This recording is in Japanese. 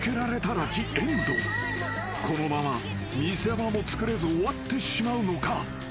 ［このまま見せ場もつくれず終わってしまうのか］